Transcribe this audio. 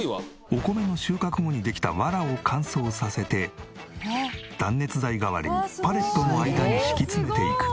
お米の収穫後にできたわらを乾燥させて断熱材代わりにパレットの間に敷き詰めていく。